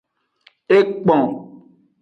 Ekpon.